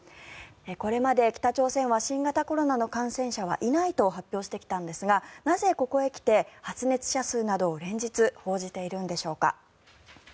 これまで北朝鮮は新型コロナの感染者はいないと発表してきたんですがなぜここへ来て発熱者数などを連日、報じているんでしょうか。